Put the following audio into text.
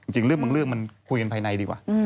จริงเรื่องบางเรื่องมันคุยกันภายในดีกว่า